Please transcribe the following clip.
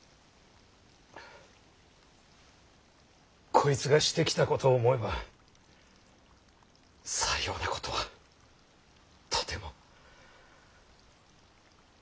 こいつがしてきたことを思えばさようなことはとても。